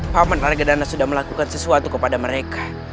paman ragedana sudah melakukan sesuatu kepada mereka